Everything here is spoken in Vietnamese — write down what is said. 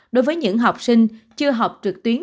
đối với những học sinh chưa học trực tuyến